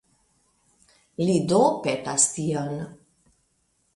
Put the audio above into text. Li do petas tion.